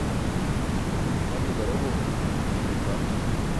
Bute daroġo hine balda.